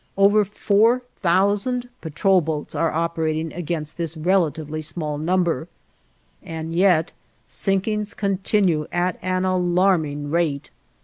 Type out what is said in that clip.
Over four thousand patrol boats are operating against this relatively small number, and yet sinkings continue at an alarming rate.